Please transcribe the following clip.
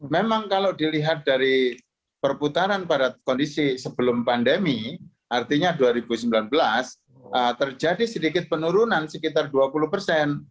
memang kalau dilihat dari perputaran pada kondisi sebelum pandemi artinya dua ribu sembilan belas terjadi sedikit penurunan sekitar dua puluh persen